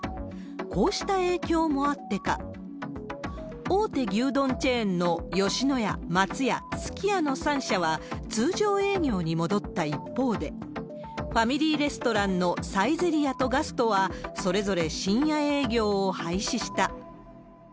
こうした影響もあってか、大手牛丼チェーンの吉野家、松屋、すき家の３社は、通常営業に戻った一方で、ファミリーレストランのサイゼリヤとガストは、それぞれ深夜営業を廃止した。